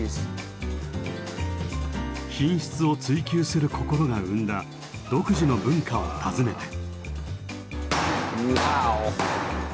品質を追求する心が生んだ独自の文化を訪ねて。